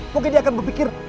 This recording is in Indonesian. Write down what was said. mungkin dia akan berpikir